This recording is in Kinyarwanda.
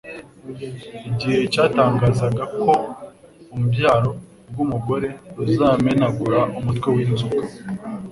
igihe cyatangazaga ko unbyaro rw'umugore razamenagura umutwe w'inzoka,